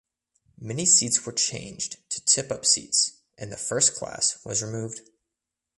Many seats were changed to tip up seats and the first class was removed.